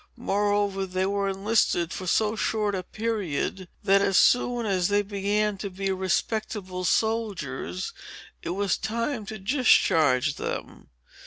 Moreover, they were enlisted for so short a period, that, as soon as they began to be respectable soldiers, it was time to discharge them.